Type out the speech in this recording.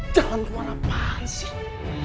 jalan keluar apaan sih